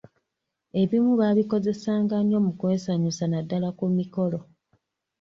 Ebimu baabikozesanga nnyo mu kwesanyusa naddala ku mikolo.